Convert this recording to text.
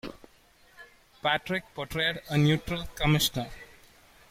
Patrick portrayed a neutral commissioner.